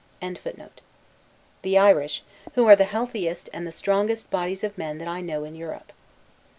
] the Irish, who are the healthiest and the strongest bodies of men that I know in Europe.